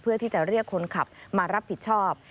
เพื่อที่จะเรียกคนขับมารับผิดชอบ